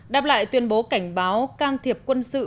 đáp lại tuyên bố cảnh báo can thiệp quân sự